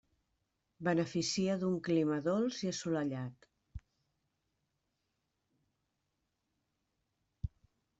Beneficia d'un clima dolç i assolellat.